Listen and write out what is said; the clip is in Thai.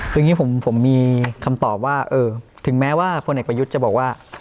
คืออย่างนี้ผมมีคำตอบว่าถึงแม้ว่าพลเอกประยุทธ์จะบอกว่า